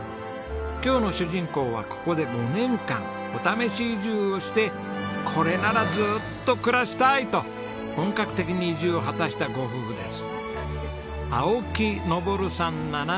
今日の主人公はここで５年間お試し移住をしてこれならずっと暮らしたいと本格的に移住を果たしたご夫婦です。